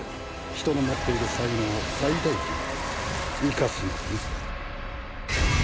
人の持っている才能を最大限生かすのがね。